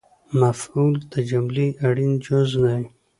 مفعول د جملې اړین جز دئ